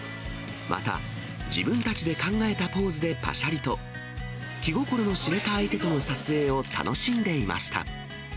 また自分たちで考えたポーズでパシャリと、気心の知れた相手との撮影を楽しんでいました。